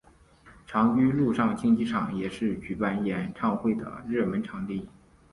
长居陆上竞技场也是举办演唱会的热门场地。